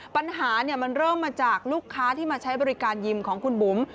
ปัญหามันเริ่มมาจากลูกค้าที่มาใช้บริการยิมของคุณบุ๋ม